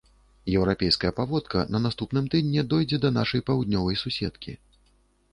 Еўрапейская паводка на наступным тыдні дойдзе да нашай паўднёвай суседкі.